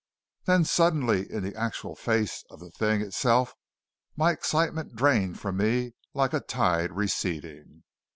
Then suddenly in the actual face of the thing itself my excitement drained from me like a tide receding.